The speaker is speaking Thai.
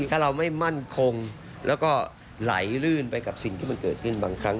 ถ้าเราไม่มั่นคงแล้วก็ไหลลื่นไปกับสิ่งที่มันเกิดขึ้นบางครั้ง